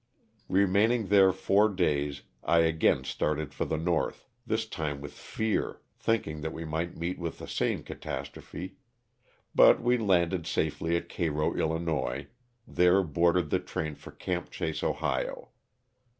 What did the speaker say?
Remain ing there four days, I again started for the north, this time with fear, thinking that we might meet with the same catastrophe, but we landed safely at Cairo, 111., there boarded the train for "Camp Chase," Ohio.